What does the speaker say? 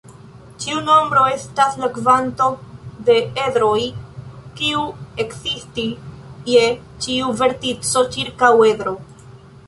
Ĉiu nombro estas la kvanto de edroj kiu ekzisti je ĉiu vertico ĉirkaŭ edro.